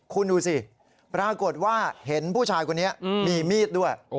คุณดูสิปรากฏว่าเห็นผู้ชายคนนี้มีมีดด้วย